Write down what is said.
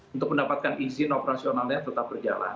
untuk mendapatkan izin operasionalnya tetap berjalan